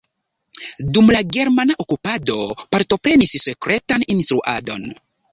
Dum la germana okupado partoprenis sekretan instruadon.